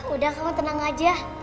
udah kamu tenang aja